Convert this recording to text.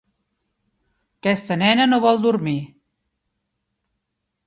Aquesta nena no vol dormir.